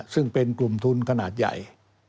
ซึ่งเป็นกลุ่มทุนขนาดใหญ่